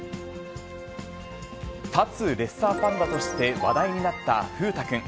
立つレッサーパンダとして話題になった風太くん。